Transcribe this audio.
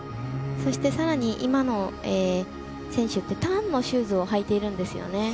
そして、さらに今の選手ってターンのシューズを履いているんですよね。